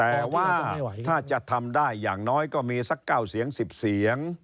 แต่ว่าถ้าจะทำได้อย่างน้อยก็มีสัก๙เสียง๑๐เสียง